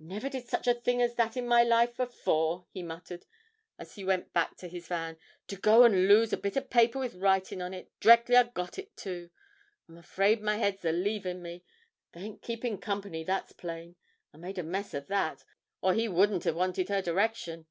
'Never did such a thing as that in my life afore,' he muttered, as he went back to his van; 'to go and lose a bit o' paper with writing on it, d'reckly I got it, too; I'm afraid my head's a leavin' me; they ain't keepin' company, that's plain. I made a mess o' that, or he wouldn't have wanted her direction.